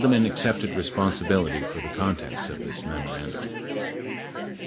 79 Haldeman accepted responsibility for the contents of this memo randum.